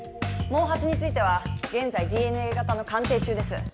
毛髪については現在ＤＮＡ型の鑑定中です。